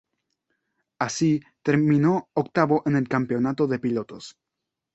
Así, terminó octavo en el campeonato de pilotos.